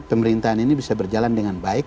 pemerintahan ini bisa berjalan dengan baik